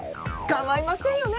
かまいませんよね？